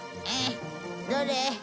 えっ？どれ？